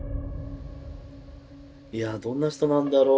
いやあどんな人なんだろう？